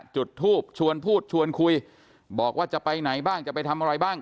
จุดทูบชวนพูดชวนคุยบอกว่าจะไปไหนบ้างจะไปทำอะไรบ้าง